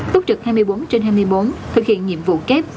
túc trực hai mươi bốn trên hai mươi bốn thực hiện nhiệm vụ kép